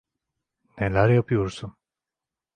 Neler yapıyorsun?